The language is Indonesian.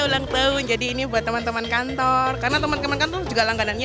ulang tahun jadi ini buat teman teman kantor karena teman teman kantor juga langganannya